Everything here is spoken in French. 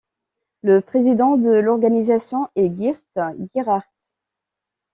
Le président de l'organisation est Geert Geeraert.